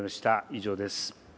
以上です。